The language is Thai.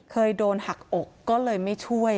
เคยโดนหักอกก็เลยไม่ช่วย